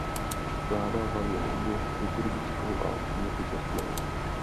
Skládal hlavně hudbu liturgickou a příležitostnou.